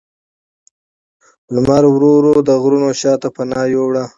لمر ورو ورو د غرونو شا ته پناه یووړه